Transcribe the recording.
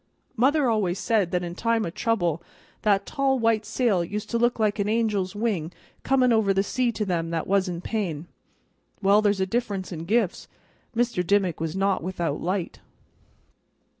Mother always said that in time o' trouble that tall white sail used to look like an angel's wing comin' over the sea to them that was in pain. Well, there's a difference in gifts. Mr. Dimmick was not without light."